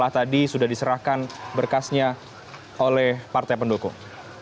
tadi sudah diserahkan berkasnya oleh partai pendukung